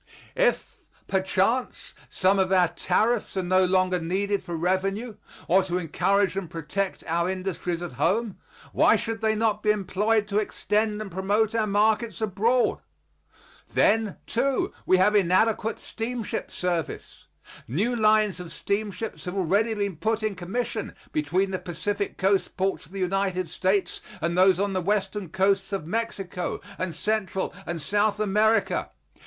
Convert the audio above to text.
If, perchance, some of our tariffs are no longer needed for revenue or to encourage and protect our industries at home, why should they not be employed to extend and promote our markets abroad? Then, too, we have inadequate steamship service. New lines of steamships have already been put in commission between the Pacific coast ports of the United States and those on the western coasts of Mexico and Central and South America.